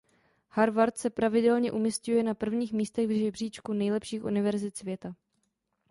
Harvard se pravidelně umisťuje na prvních místech v žebříčku nejlepších univerzit světa.